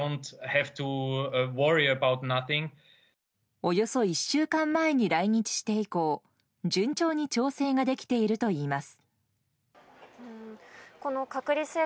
およそ１週間前に来日して以降順調に調整ができているといいます。